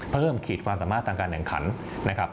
ขีดความสามารถทางการแข่งขันนะครับ